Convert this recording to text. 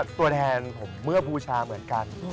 ตัวแทนผมเมื่อบูชาเหมือนกัน